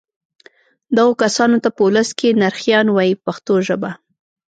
دغو کسانو ته په ولس کې نرخیان وایي په پښتو ژبه.